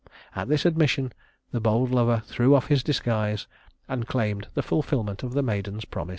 At this admission the bold lover threw off his disguise, and claimed the fulfillment of the maiden's promise.